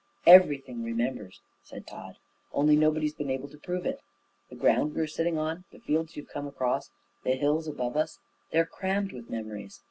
"Everything remembers," said Tod, "only nobody's been able to prove it. The ground we're sitting on, the fields you've come across, the hills above us, they're crammed with memories.